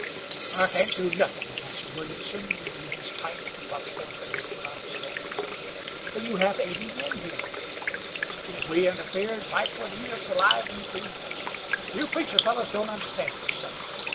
"I can't do nuthin'," answered Williamson, removing his pipe to puff forth a great cloud of smoke. "You have eighty men here!" "If we interfered Pipe would eat us alive in three minutes. You preacher fellows don't understand this thing.